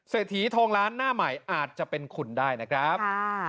เศรษฐีทองล้านหน้าใหม่อาจจะเป็นคุณได้นะครับ